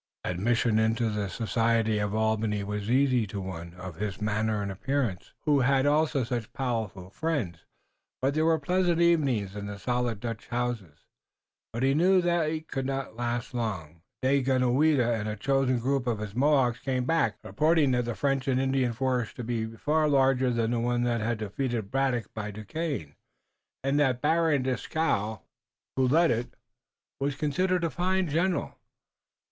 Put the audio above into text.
Admission into the society of Albany was easy to one of his manner and appearance, who had also such powerful friends, and there were pleasant evenings in the solid Dutch houses. But he knew they could not last long. Daganoweda and a chosen group of his Mohawks came back, reporting the French and Indian force to be far larger than the one that had defeated Braddock by Duquesne, and that Baron Dieskau who led it was considered a fine general.